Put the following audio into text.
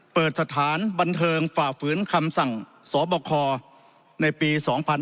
เปิดสถานบันเทิงฝ่าฝืนคำสั่งสบคในปี๒๕๕๙